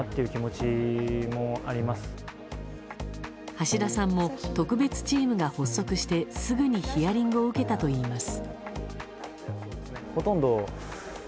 橋田さんも特別チームが発足してすぐにヒアリングを受けたといいます。